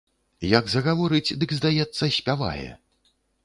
Як загаворыць, дык, здаецца, спявае.